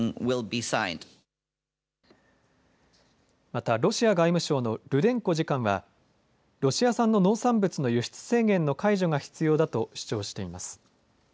またロシア外務省のルデンコ次官はロシア産の農産物の輸出制限の解除が必要だと主張しています。